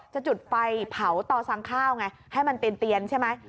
จุดไฟเผาต่อสั่งข้าวไงให้มันเตียนใช่ไหม